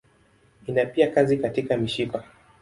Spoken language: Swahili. Ina pia kazi katika mishipa.